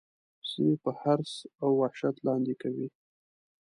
سیمې په حرص او وحشت لاندي کوي.